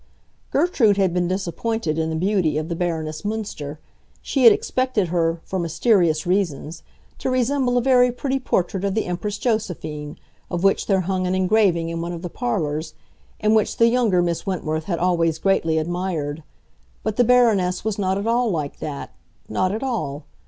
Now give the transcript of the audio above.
Gertrude had been disappointed in the beauty of the Baroness Münster; she had expected her, for mysterious reasons, to resemble a very pretty portrait of the Empress Josephine, of which there hung an engraving in one of the parlors, and which the younger Miss Wentworth had always greatly admired. But the Baroness was not at all like that—not at all.